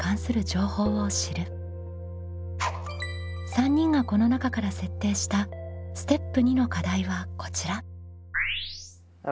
３人がこの中から設定したステップ２の課題はこちら。